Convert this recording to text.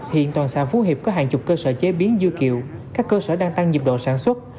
hiện toàn xã phú hiệp có hàng chục cơ sở chế biến dư kiệu các cơ sở đang tăng nhiệt độ sản xuất